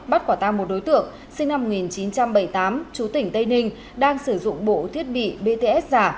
là một đối tượng sinh năm một nghìn chín trăm bảy mươi tám chú tỉnh tây ninh đang sử dụng bộ thiết bị bts giả